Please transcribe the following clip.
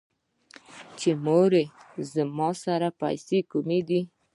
چې مورې زما سره پېسې کوم دي ـ